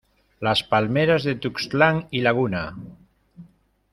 las palmeras de Tuxtlan y Laguna...